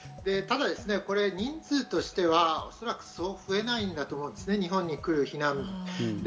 ただ人数としてはそう増えないと思うんですね、日本に来る避難民は。